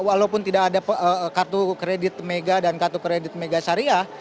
walaupun tidak ada kartu kredit mega dan kartu kredit mega syariah